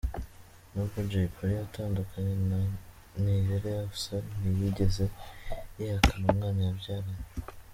N’ubwo Jay Polly yatandukanye na Nirere Afsa ntiyigeze yihakana umwana babyaranye.